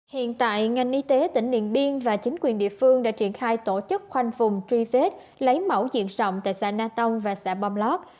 hiện tại ngành y tế tỉnh điện biên và chính quyền địa phương đã triển khai tổ chức khoanh phùng truy vết lấy mẫu diện rộng tại xã na tông và xã bom lót